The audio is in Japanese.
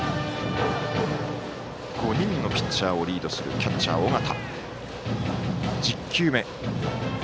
５人のピッチャーをリードする、キャッチャー尾形。